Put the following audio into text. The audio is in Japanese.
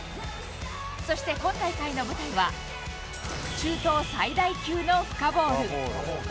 そして、今大会の舞台は、中東最大級の深ボウル。